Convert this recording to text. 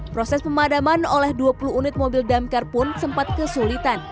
proses pemadaman oleh dua puluh unit mobil damkar pun sempat kesulitan